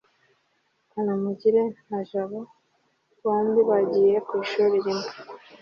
kanamugire na jabo bombi bagiye ku ishuri rimwe